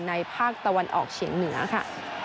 ภาคตะวันออกเฉียงเหนือค่ะ